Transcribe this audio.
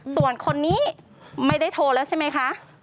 ส่วนคนนี้ไม่ได้โทรแล้วใช่ไหมคะ